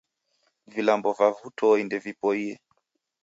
Vilambo va w'utoi ndevipoie.